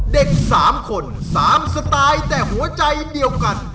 เด็ก๓คน๓สไตล์แต่หัวใจเดียวกัน